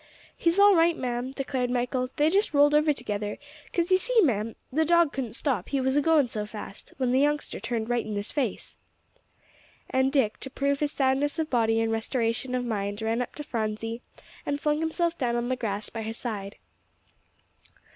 "He's all right, ma'am," declared Michael; "they just rolled over together, 'cause, you see, ma'am, the dog couldn't stop, he was a goin' so fast, when the youngster turned right in his face." And Dick, to prove his soundness of body and restoration of mind, ran up to Phronsie, and flung himself down on the grass by her side.